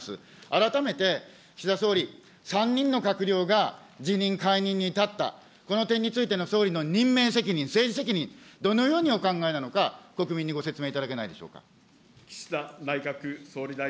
改めて岸田総理、３人の閣僚が辞任、解任に至った、この点についての総理の任命責任、政治責任、どのようにお考えなのか、国民にご説明いただけないでしょうか。